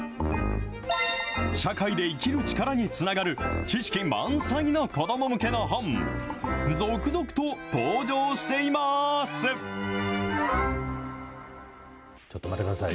社会で生きる力につながる知識満載な子ども向けの本、続々と登場ちょっと待ってください。